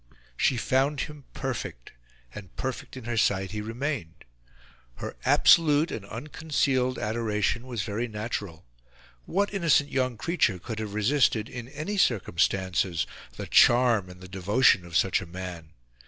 She found him perfect; and perfect in her sight he remained. Her absolute and unconcealed adoration was very natural; what innocent young creature could have resisted, in any circumstances, the charm and the devotion of such a man?